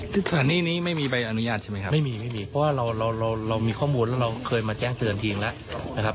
สถานีนี้ไม่มีใบอนุญาตใช่ไหมครับไม่มีไม่มีเพราะว่าเราเรามีข้อมูลแล้วเราเคยมาแจ้งเตือนทีมแล้วนะครับ